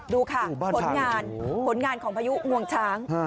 ดูค่ะผลงานผลงานของพายุงวงช้าง